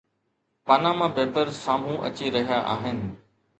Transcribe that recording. Panama papers سامهون اچي رهيا آهن.